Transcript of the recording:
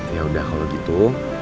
yaudah kalau gitu